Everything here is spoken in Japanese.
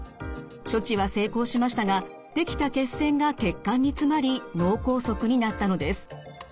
処置は成功しましたが出来た血栓が血管に詰まり脳梗塞になったのです。